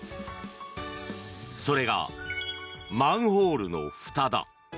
それがマンホールのふただ。